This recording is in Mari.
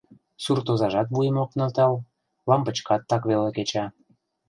Суртозажат вуйым ок нӧлтал, лампычкат так веле кеча.